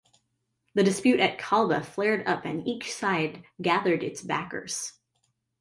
The dispute at Kalba flared up and each side gathered its backers.